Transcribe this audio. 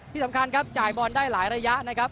ที่สำคัญครับจ่ายบอลได้หลายระยะนะครับ